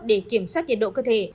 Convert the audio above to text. để kiểm soát nhiệt độ cơ thể